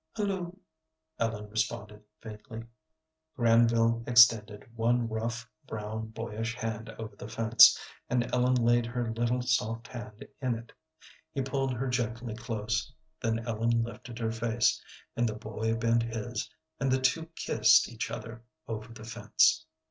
"Hulloo," Ellen responded, faintly. Granville extended one rough, brown, boyish hand over the fence, and Ellen laid her little, soft hand in it. He pulled her gently close, then Ellen lifted her face, and the boy bent his, and the two kissed each other over the fence.